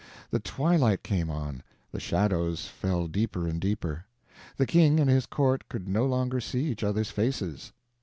The twilight came on, the shadows fell deeper and deeper. The king and his court could no longer see each other's faces.